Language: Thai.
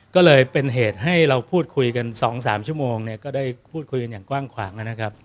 ก็เลยเป็นเหตุให้เราพูดคุยกัน๒๓ชั่วโมงเนี่ยก็ได้พูดคุยกันอย่างกว้างขวางนะครับ